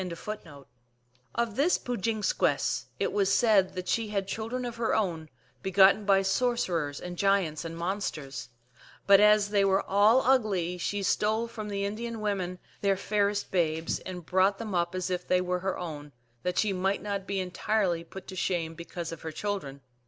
1 Of this Pook jin skwess it was said that she had children of her own, begotten by sorcerers and giants and monsters ; but as they were all ugly she stole from the Indian women their fairest babes, and brought them up as if they were her own, that she might not be entirely put to shame because of her children.